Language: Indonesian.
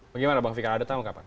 bagaimana bang fika ada tanggung kapan